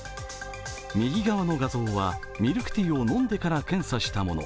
右側の画像は、ミルクティーを飲んでから検査したもの。